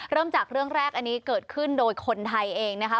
เริ่มจากเรื่องแรกอันนี้เกิดขึ้นโดยคนไทยเองนะคะ